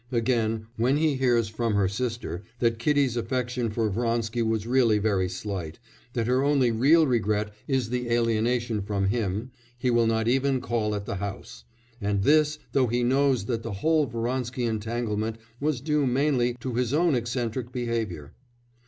Again, when he hears from her sister that Kitty's affection for Vronsky was really very slight, that her only real regret is the alienation from him, he will not even call at the house, and this though he knows that the whole Vronsky entanglement was due mainly to his own eccentric behaviour.